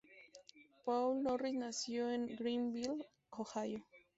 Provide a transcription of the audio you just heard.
Paul Norris nació en Greenville, Ohio.